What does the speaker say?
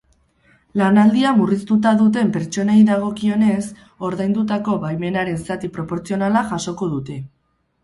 Lanaldia murriztuta duten pertsonei dagokionez, ordaindutako baimenaren zati proportzionala jasoko dute.